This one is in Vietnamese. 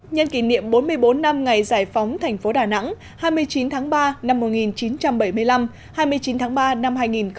nhân kỷ niệm bốn mươi bốn năm ngày giải phóng thành phố đà nẵng hai mươi chín tháng ba năm một nghìn chín trăm bảy mươi năm hai mươi chín tháng ba năm hai nghìn hai mươi